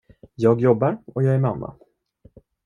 Jag jobbar och jag är mamma.